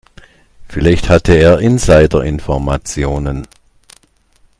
Vielleicht hatte er Insiderinformationen.